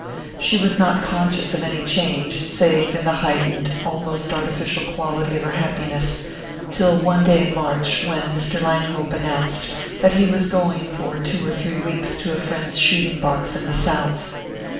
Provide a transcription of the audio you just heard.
She was not conscious of any change, save in the heightened, almost artificial quality of her happiness, till one day in March, when Mr. Langhope announced that he was going for two or three weeks to a friend's shooting box in the south.